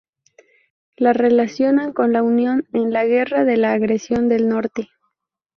Se relacionan con la Unión en "La Guerra de la Agresión del Norte".